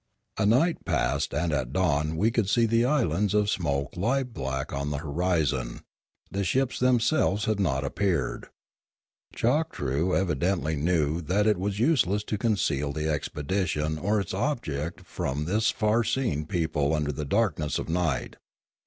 A night passed, and at dawn we could see the islands of smoke lie black on the horizon; the ships themselves had not appeared. Choktroo evidently knew that it was useless to conceal the expedition or its object from this far seeing people under the darkness of night.